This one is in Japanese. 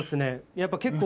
やっぱ結構。